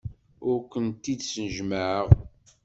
Ur kent-id-snejmaɛeɣ.